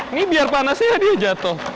ini biar panasnya ya dia jatuh